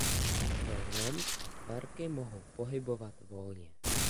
V něm se kvarky mohou pohybovat volně.